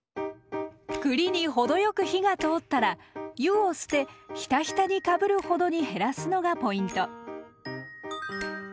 栗に程よく火が通ったら湯を捨てヒタヒタにかぶるほどに減らすのがポイント。